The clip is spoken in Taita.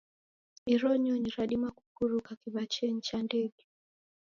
Iro nyonyi radima kupuruka kiwachenyi cha ndege.